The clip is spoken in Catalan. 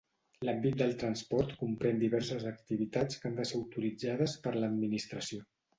L'àmbit del transport comprèn diverses activitats que han de ser autoritzades per l'Administració.